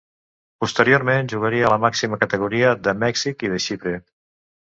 Posteriorment, jugaria a la màxima categoria de Mèxic i de Xipre.